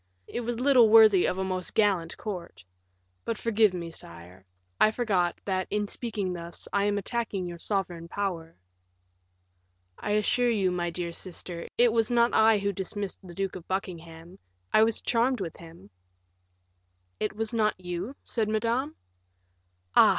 It was little worthy of a most gallant court; but forgive me, sire; I forgot, that, in speaking thus, I am attacking your sovereign power." "I assure you, my dear sister, it was not I who dismissed the Duke of Buckingham; I was charmed with him." "It was not you?" said Madame; "ah!